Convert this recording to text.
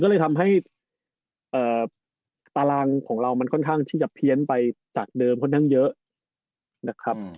ด้วยทำให้ทีมต่างโดยยิ่งเผี้ยงไปมากขทางเดิม